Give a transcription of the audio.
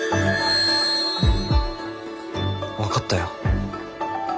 分かったよ。